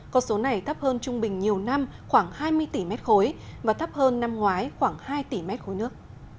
con số này thấp hơn trung bình nhiều năm khoảng hai mươi tỷ m ba và thấp hơn năm ngoái khoảng hai tỷ mét khối nước